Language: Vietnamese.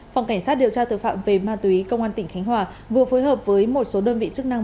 phòng cảnh sát điều tra tội phạm về ma túy công an tỉnh khánh hòa vừa phối hợp với một số đơn vị chức năng